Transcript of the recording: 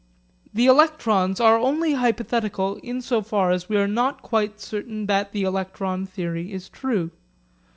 The electrons are only hypothetical in so far as we are not quite certain that the electron theory is true.